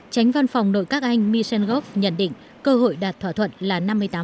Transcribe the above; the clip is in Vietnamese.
tránh văn phòng nội các anh michel gov nhận định cơ hội đạt thỏa thuận là năm mươi tám